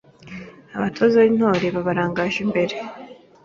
Abatoza b’Intore babarangaje imbere